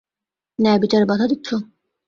ন্যায়বিচারে বাধা দিচ্ছো?